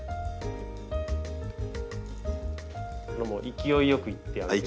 勢いよくいってあげてください。